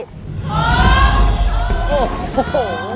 โชค